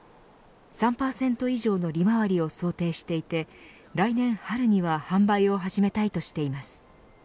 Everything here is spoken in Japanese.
３％以上の利回りを想定していて来年春には販売を始めたいとしています。